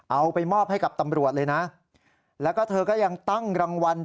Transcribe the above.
เอาไปมอบให้กับตำรวจเลยนะแล้วก็เธอก็ยังตั้งรางวัล